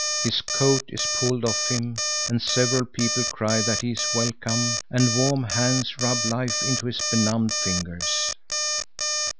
His coat is pulled off him, and several people cry that he is welcome, and warm hands rub life into his benumbed fingers.